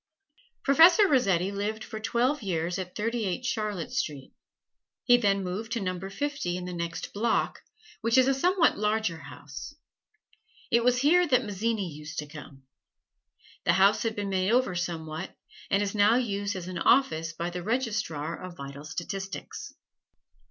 Professor Rossetti lived for twelve years at Thirty eight Charlotte Street; he then moved to Number Fifty in the next block, which is a somewhat larger house. It was here that Mazzini used to come. The house had been made over somewhat, and is now used as an office by the Registrar of Vital Statistics.